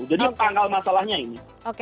jadi pangkal masalahnya ini